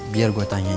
biar gue tanyain